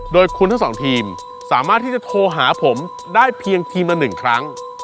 โดยคุณทั้งสองทีมสามารถที่จะโทรหาผมได้เพียงทีมละ๑ครั้ง